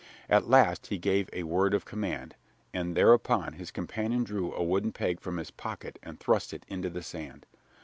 At last he gave a word of command, and, thereupon, his companion drew a wooden peg from his pocket and thrust it into the sand.